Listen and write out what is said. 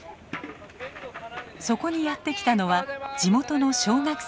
そこにやって来たのは地元の小学生たち。